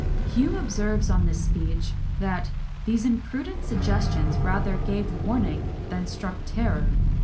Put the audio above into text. Hume observes on this speech, that "these imprudent suggestions rather gave warning than struck terror."